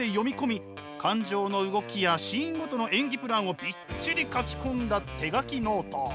感情の動きやシーンごとの演技プランをびっちり書き込んだ手書きノート。